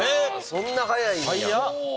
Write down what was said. そんな早いんや。